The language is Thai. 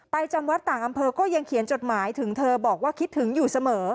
จำวัดต่างอำเภอก็ยังเขียนจดหมายถึงเธอบอกว่าคิดถึงอยู่เสมอ